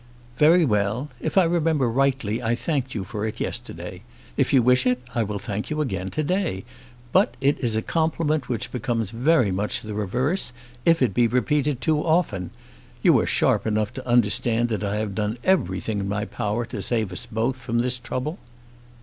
"Very well. If I remember rightly I thanked you for it yesterday. If you wish it, I will thank you again to day. But it is a compliment which becomes very much the reverse if it be repeated too often. You are sharp enough to understand that I have done everything in my power to save us both from this trouble."